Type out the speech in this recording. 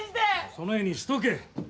その辺にしとけ。